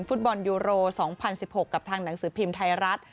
ฟุตบอลยูโร๒๐๑๖กับทางหนังสือพิมพ์ไทยรัฐ